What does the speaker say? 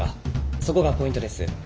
そこがポイントです。